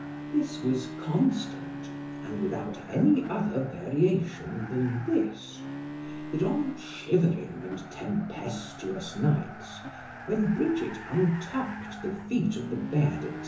This was constant, and without any other variation than this; that on shivering and tempestuous nights, when Bridget untuck'd the feet of the bed, &c.